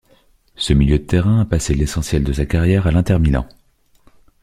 Ce milieu de terrain a passé l'essentiel de sa carrière à l'Inter Milan.